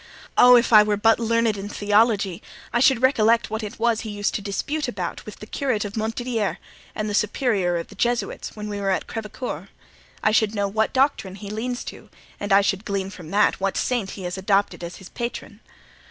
Ah! if I were but learned in theology I should recollect what it was he used to dispute about with the curate of Montdidier and the superior of the Jesuits, when we were at Crevecoeur; I should know what doctrine he leans to and I should glean from that what saint he has adopted as his patron.